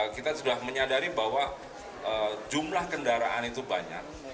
kita sudah menyadari bahwa jumlah kendaraan itu banyak